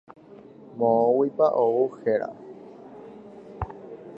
Moõguipa ou héra.